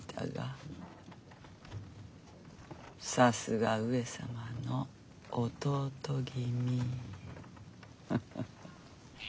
さすが上様の弟君。